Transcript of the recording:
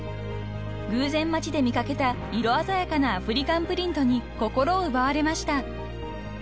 ［偶然街で見掛けた色鮮やかなアフリカンプリントに心を奪われました］